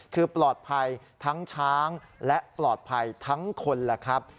คือปลอดภัยทั้งช้างและปลอดภัยทั้งคนแหละครับ